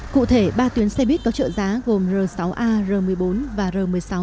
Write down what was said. cụ thể ba tuyến xe buýt có trợ giá gồm r sáu a r một mươi bốn và r một mươi sáu